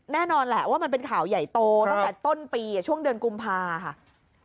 แน่นอนแหละว่ามันเป็นข่าวใหญ่โตตั้งแต่ต้นปีช่วงเดือนกุมภาค่ะ